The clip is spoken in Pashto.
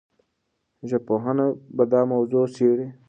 ژبپوهان به دا موضوع څېړي.